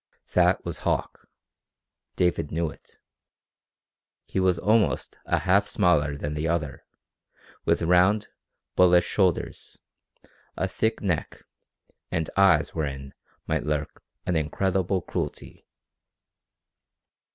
That was Hauck. David knew it. He was almost a half smaller than the other, with round, bullish shoulders, a thick neck, and eyes wherein might lurk an incredible cruelty.